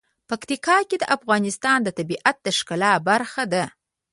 پکتیکا د افغانستان د طبیعت د ښکلا برخه ده.